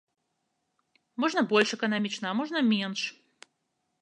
Можна больш эканамічна, а можна менш.